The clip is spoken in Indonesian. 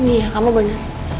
iya kamu benar